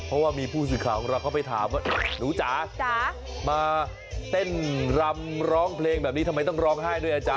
เพราะว่ามีผู้สื่อข่าวของเราก็ไปถามว่าหนูจ๋ามาเต้นรำร้องเพลงแบบนี้ทำไมต้องร้องไห้ด้วยอาจาร